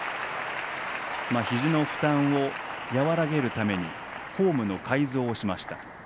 ひじの負担を和らげるためにフォームの改造をしました。